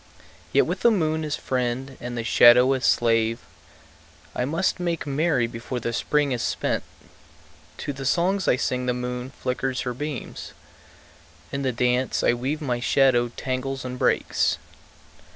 Yet with the moon as friend and the shadow as slave I must make merry before the Spring is spent. To the songs I sing the moon flickers her beams; In the dance I weave my shadow tangles and breaks.